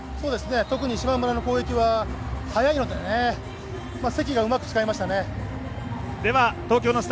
特に島村の攻撃は速いので関がうまく使えましたよね。